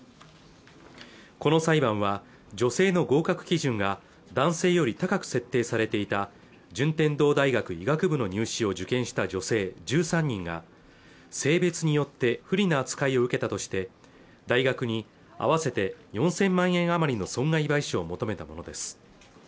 この裁判は女性の合格基準が男性より高く設定されていた順天堂大学医学部の入試を受験した女性１３人が性別によって不利な扱いを受けたとして大学に合わせて４０００万円余りの損害賠償を求めたものです